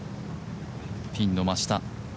ピンの真下。